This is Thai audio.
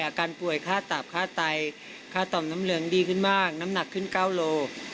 อาการป่วยค่าตับค่าไตค่าต่อมน้ำเหลืองดีขึ้นมากน้ำหนักขึ้น๙โล